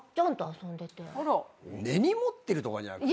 根に持ってるとかじゃなくて。